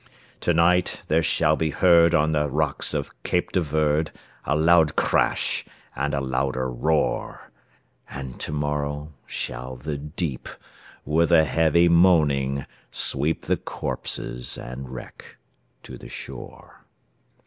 "To night there shall be heard on the rocks of Cape de Verde, A loud crash, and a louder roar; And to morrow shall the deep, with a heavy moaning, sweep The corpses and wreck to the shore."